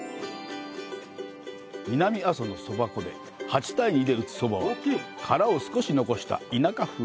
南阿蘇のそば粉で８対２で打つそばは殻を少し残した田舎風。